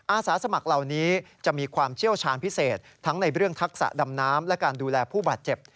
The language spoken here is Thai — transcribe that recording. อาสาสมัครเหล่านี้จะมีความเชี่ยวชาญพิเศษทั้งในเรื่องทักษะดำน้ำและการดูแลผู้บาดเจ็บ